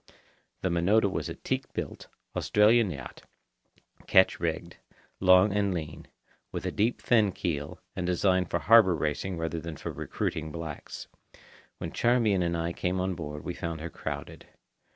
The Minota was a teak built, Australian yacht, ketch rigged, long and lean, with a deep fin keel, and designed for harbour racing rather than for recruiting blacks. When Charmian and I came on board, we found her crowded.